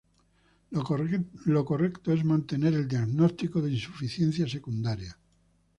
Lo correcto es mantener el diagnóstico de insuficiencia secundaria.